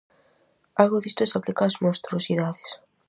Algo disto se aplica ás monstruosidades.